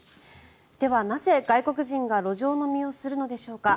ではなぜ外国人が路上飲みをするのでしょうか。